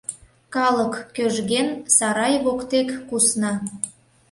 Калык, кӧжген, сарай воктек кусна.